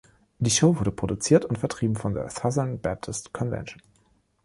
Die Show wurde produziert und vertrieben von der Southern Baptist Convention.